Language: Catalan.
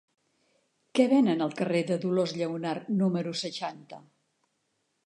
Què venen al carrer de Dolors Lleonart número seixanta?